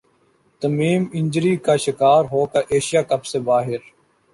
تمیم injury کا شکار ہو کر ایشیا کپ سے باہر